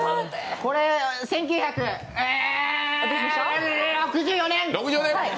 これ、１９００え６４年！